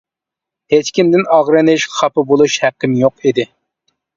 ھېچكىمدىن ئاغرىنىش، خاپا بولۇش ھەققىم يوق ئىدى.